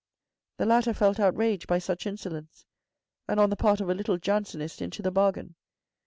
The latter felt outraged by such insolence, and on the part of a little Jansenist into the bargain.